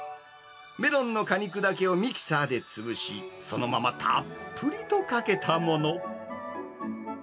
メロンの果肉だけをミキサーで潰し、そのままたっぷりとかけたもの。